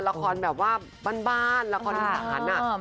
ละครแบบว่าบ้านละครอีสาน